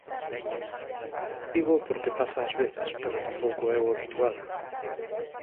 Dígoo porque pasa ás veces, pero tampouco é o habitual.